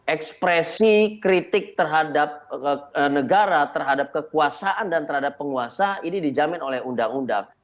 ekspresi kritik terhadap negara terhadap kekuasaan dan terhadap penguasa ini dijamin oleh undang undang